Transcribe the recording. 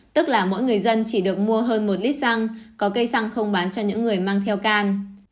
tức là mỗi người dân chỉ được mua hơn một lít xăng có cây xăng không bán cho những người mang theo can